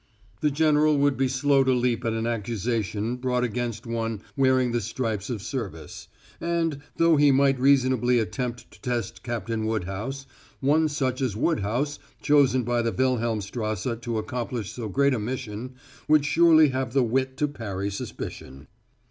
The general would be slow to leap at an accusation brought against one wearing the stripes of service; and, though he might reasonably attempt to test Captain Woodhouse, one such as Woodhouse, chosen by the Wilhelmstrasse to accomplish so great a mission, would surely have the wit to parry suspicion.